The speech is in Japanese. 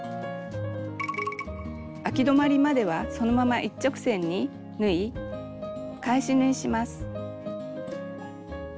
あき止まりまではそのまま一直線に縫い返し縫いします。